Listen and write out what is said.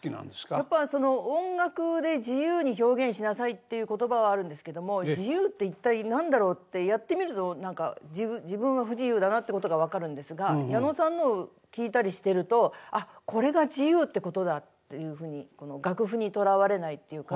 やっぱその音楽で自由に表現しなさいっていう言葉はあるんですけども自由って一体何だろう？ってやってみると何か自分は不自由だなってことが分かるんですが矢野さんのを聴いたりしてるとあっこれが自由ってことだっていうふうに楽譜にとらわれないっていうか。